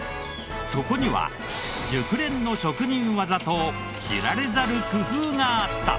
そこには熟練の職人技と知られざる工夫があった！